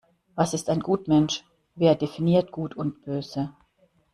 Was ist ein Gutmensch? Wer definiert Gut und Böse?